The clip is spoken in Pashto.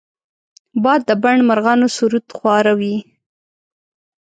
باد د بڼ مرغانو سرود خواره وي